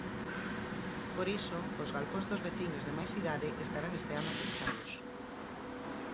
Por iso, os galpóns dos veciños de máis idade estarán este ano pechados.